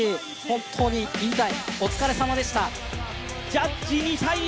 本当に言いたいお疲れさまでした。